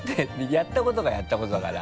やったことがやったことだから。